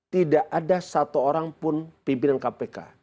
tidak ada satu orang pun pimpinan kpk